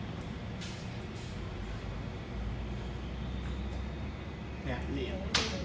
ให้พักให้เป็นเคี้ยบ